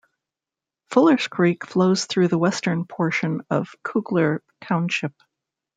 Fullers Creek flows through the western portion of Kugler Township.